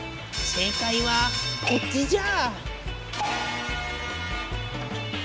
正解はこっちじゃ。